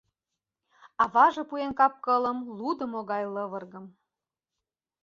Аваже пуэн капкылым, лудымо гай лывыргым.